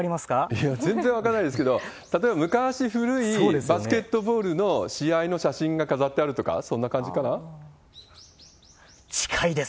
いや、全然分からないですけど、例えば、昔古いバスケットボールの試合の写真が飾ってあるとか、そんな感近いです。